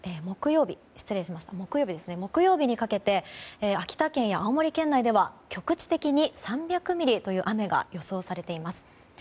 木曜日にかけて秋田県や青森県にかけては局地的に３００ミリという雨が予想されています。